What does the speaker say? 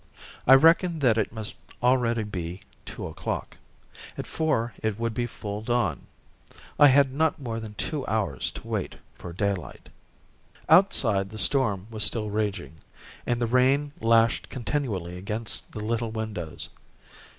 I reckoned that it must already be two o'clock. At four it would be full dawn. I had not more than two hours to wait for daylight. Outside, the storm was still raging, and the rain lashed continually against the little windows.